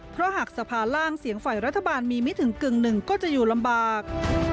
เพราะหากสภาล่างเสียงฝ่ายรัฐบาลมีไม่ถึงกึ่งหนึ่งก็จะอยู่ลำบาก